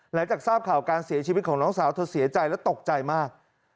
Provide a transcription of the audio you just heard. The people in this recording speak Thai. หลังจากทราบข่าวการเสียชีวิตของน้องสาวเธอเสียใจและตกใจมาก